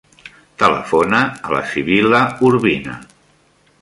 Telefona a la Sibil·la Urbina.